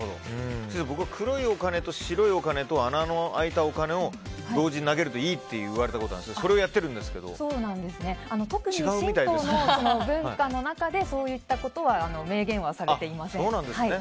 僕は黒いお金と白いお金と穴の開いたお金を同時に投げるといいと言われたことがあって特に神道の文化でそういったことは明言されていません。